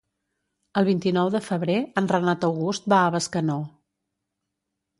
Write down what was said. El vint-i-nou de febrer en Renat August va a Bescanó.